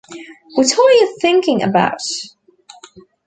What are you thinking about?